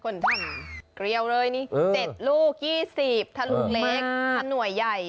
คนท่ามเกลียวเลยนี่๗ลูก๒๐บาทถ้าลูกเหล็กถ้าหน่วยใหญ่